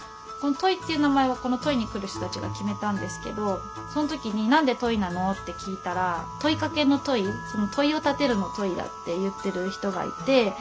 この「ｔｏｉ」っていう名前はこのｔｏｉに来る人たちが決めたんですけどそん時に「何でｔｏｉなの？」って聞いたら「問いかけ」の「ｔｏｉ」「問いを立てる」の「ｔｏｉ」だって言ってる人がいて